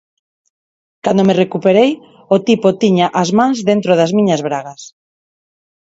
Cando me recuperei, o tipo tiña as mans dentro das miñas bragas.